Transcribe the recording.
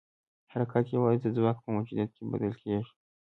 حرکت یوازې د ځواک په موجودیت کې بدل کېږي.